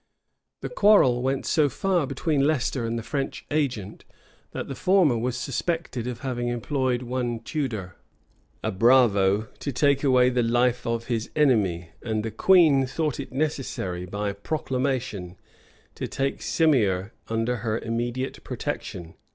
[*]* Camden, p. 471. The quarrel went so far between Leicester and the French agent, that the former was suspected of having employed one Tudor, a bravo, to take away the life of his enemy and the queen thought it necessary, by proclamation, to take Simier under her immediate protection.